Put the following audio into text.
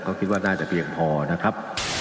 ก็คิดว่าน่าจะเพียงพอนะครับ